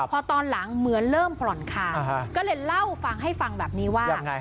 พอตอนหลังเหมือนเริ่มผ่อนคาก็เลยเล่าฟังให้ฟังแบบนี้ว่า